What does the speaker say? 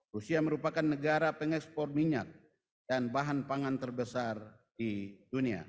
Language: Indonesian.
rusia merupakan negara pengekspor minyak dan bahan pangan terbesar di dunia